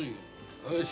よし。